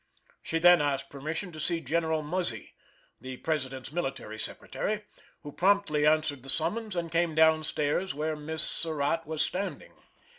She then asked permission to see General Muzzy, the president's military secretary, who promptly answered the summons, and came down stairs where Miss Surratt was standing.